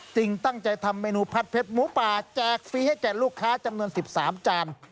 ตั้งใจทำเมนูพัดเพชรหมูป่าแจกฟรีให้แก่ลูกค้าจำนวน๑๓จาน